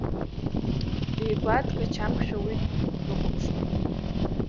Дигәа дгачамкшәа уи длыхәаԥшуан.